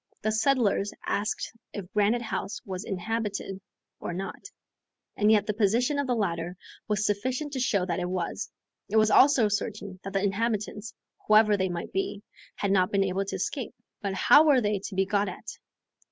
The settlers asked if Granite House was inhabited or not, and yet the position of the ladder was sufficient to show that it was; it was also certain that the inhabitants, whoever they might be, had not been able to escape. But how were they to be got at?